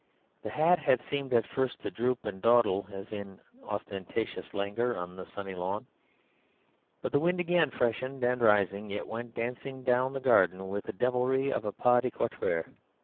The hat had seemed at first to droop and dawdle as in ostentatious langour on the sunny lawn; but the wind again freshening and rising, it went dancing down the garden with the devilry of a pas de quatre.